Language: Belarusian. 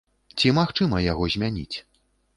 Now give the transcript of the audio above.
Ці магчыма яго змяніць?